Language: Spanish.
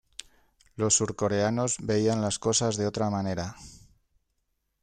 Los surcoreanos veían las cosas de otra manera.